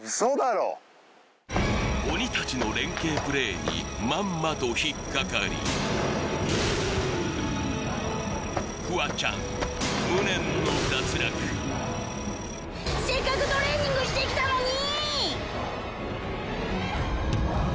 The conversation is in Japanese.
鬼たちの連携プレーにまんまと引っかかりフワちゃん無念の脱落せっかくトレーニングしてきたのに！